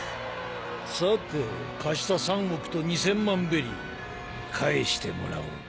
さて貸した３億と２，０００万ベリー返してもらおうか？